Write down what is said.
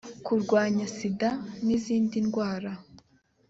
kurwanya sida n izindi ndwara